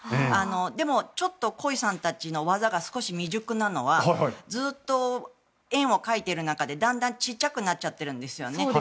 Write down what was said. でもちょっとコイさんたちの技が少し未熟なのはずっと円を描いている中でだんだんちっちゃくなっちゃってるんですね。